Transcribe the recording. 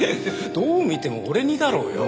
どう見ても俺似だろうよ。